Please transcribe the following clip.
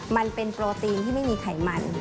มันเป็นโปรตีนที่ไม่มีไขมัน